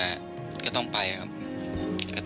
อันดับ๖๓๕จัดใช้วิจิตร